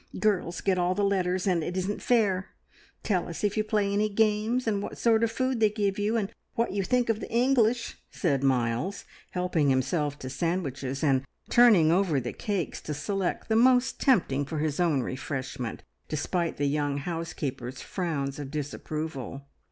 Girls get all the letters, and it isn't fair. Tell us if you play any games, and what sort of food they give you, and what you think of the English," said Miles, helping himself to sandwiches, and turning over the cakes to select the most tempting for his own refreshment, despite the young housekeeper's frowns of disapproval.